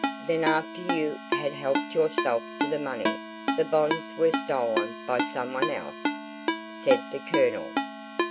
"Then after you had helped yourself to the money, the bonds were stolen by someone else?" said the Colonel.